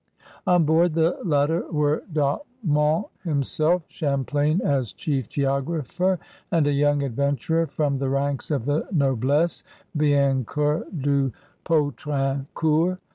On board the latter were De Monts himself, Cham plain as chief geographer, and a young adventurer from the ranks of the noblessCy Biencourt de Pou trincourt.